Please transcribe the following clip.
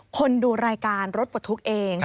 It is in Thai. ดูรายการรถปลดทุกข์เอง